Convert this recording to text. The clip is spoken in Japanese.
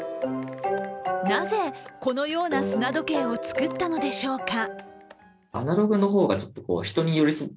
なぜ、このような砂時計を作ったのでしょうか。